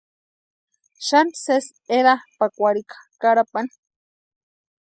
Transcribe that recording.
Xani sési erapʼakwarhika Carapani.